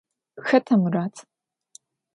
Хэта Мурат?